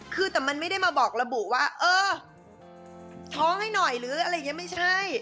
คือแต่มันไม่ได้มาบอกระบุว่าเออท้องให้หน่อยหรืออะไรอย่างนี้ไม่ใช่